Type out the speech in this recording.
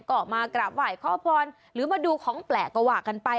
ก็มากราบไหว้ขอพรหรือมาดูของแปลกก็ว่ากันไป